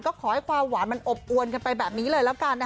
ก็ขอให้ความหวานมันอบอวนแบบนี้เลย